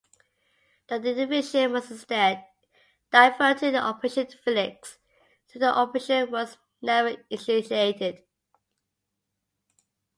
The Division was instead diverted to Operation Felix though the operation was never initiated.